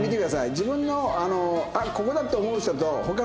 自分の「あっここだ」って思う人と他の